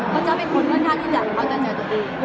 ก็จะเป็นคนเพื่อนกันที่เขาจะเจอตัวดี